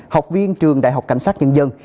học viên trường đại học cảnh sát nhân dân